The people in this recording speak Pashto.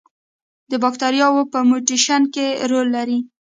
د باکتریاوو په میوټیشن کې رول لري.